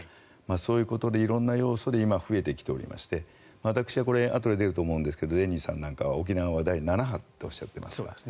そういうことで色んな要素で今、増えてきておりましてこれ、あとで出ると思いますがデニーさんなんかは沖縄は第７波とおっしゃっていますから。